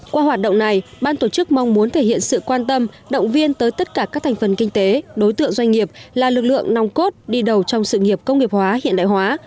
qua hoạt động này ban tổ chức mong muốn thể hiện sự quan tâm động viên tới tất cả các thành phần kinh tế đối tượng doanh nghiệp là lực lượng nòng cốt đi đầu trong sự nghiệp công nghiệp hóa hiện đại hóa